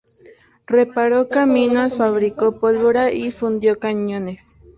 Reparó caminos, fabricó pólvora y fundió cañones.